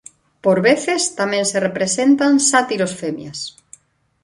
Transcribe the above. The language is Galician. Por veces tamén se representan sátiros femias.